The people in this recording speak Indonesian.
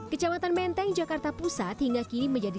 kecamatan menteng jakarta pusat hingga kini menjadi